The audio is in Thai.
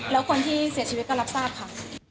แล้วคนที่เสียชีวิตก็รับทราบค่ะ